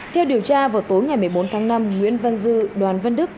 theo điều tra vào tối ngày một mươi bốn tháng năm nguyễn văn dư đoàn văn đức